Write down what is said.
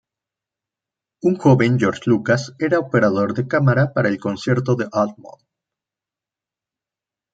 Un joven George Lucas era operador de cámara para el concierto de Altamont.